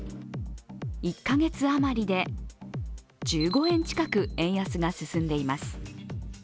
１カ月あまりで１５円近く円安が進んでいます。